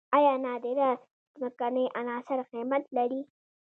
آیا نادره ځمکنۍ عناصر قیمت لري؟